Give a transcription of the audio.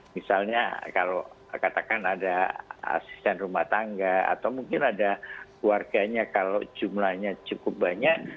misalnya kalau katakan ada asisten rumah tangga atau mungkin ada keluarganya kalau jumlahnya cukup banyak